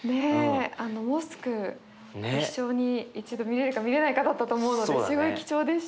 あのモスク一生に一度見れるか見れないかだったと思うのですごい貴重でした。